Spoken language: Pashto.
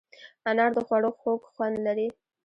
انار د خوړو خوږ خوند لري.